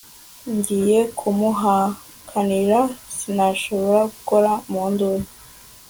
ngiye kumuhakanira sinashobora guhora mu nduru